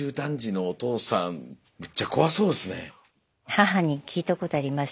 母に聞いたことありますよ。